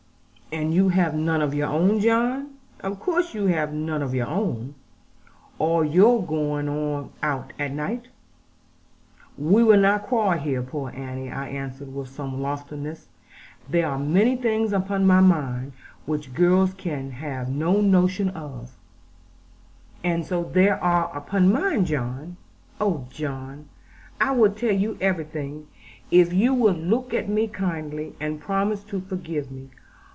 'And you have none of your own, John; of course you have none of your own? All your going out at night ' 'We will not quarrel here, poor Annie,' I answered, with some loftiness; 'there are many things upon my mind, which girls can have no notion of.' 'And so there are upon mine, John. Oh, John, I will tell you everything, if you will look at me kindly, and promise to forgive me.